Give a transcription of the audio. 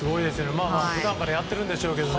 普段からやってるんでしょうけど。